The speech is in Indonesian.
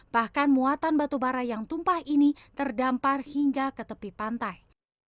bahkan muatan batu bara yang tumpah ini terdampar hingga ke tepi pantai